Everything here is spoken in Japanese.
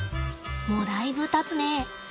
もうだいぶたつね。